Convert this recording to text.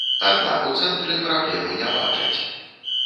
Аднак у цэнтры праблемы не бачаць.